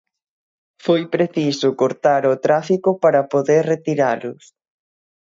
Foi preciso cortar o tráfico para poder retiralos.